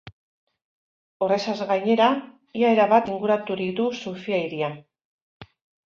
Horrezaz gainera, ia erabat inguraturik du Sofia-hiria.